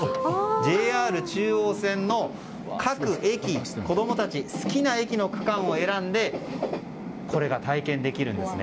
ＪＲ中央線の各駅子供たちが好きな区間の駅を選んでこれが体験できるんですね。